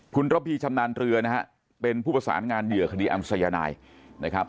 คุณทพชำนาญเรือเป็นผู้ประสานงานเหยื่อคดีแอมสายนาย